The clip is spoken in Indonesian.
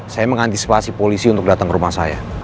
saya mengantisipasi polisi untuk datang ke rumah saya